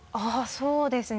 そうですね。